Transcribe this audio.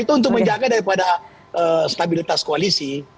itu untuk menjaga daripada stabilitas koalisi